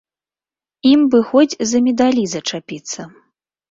Ім бы хоць за медалі зачапіцца.